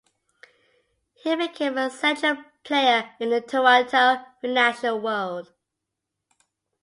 He became a central player in the Toronto financial world.